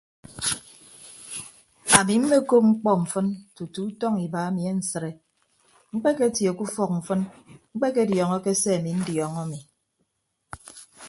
Ami mmekop mkpọ mfịn tutu utọñ iba emi ansịde mkpeketie ke ufọk mfịn mkpediọọñọke se ami ndidiọọñọ ami.